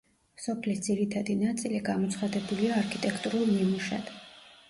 სოფლის ძირითადი ნაწილი გამოცხადებულია არქიტექტურულ ნიმუშად.